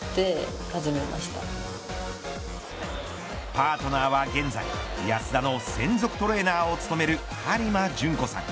パートナーは現在安田の専属トレーナーを務める張間純子さん。